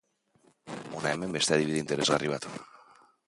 Hona hemen beste adibide interesgarri bat!